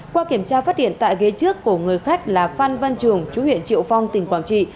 qua kiểm tra phát hiện tại ghế trước của người khách là phan văn trường chú huyện triệu phong tỉnh quảng trị